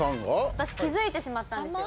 私気付いてしまったんですよ。